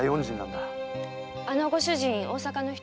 あのご主人大坂の人？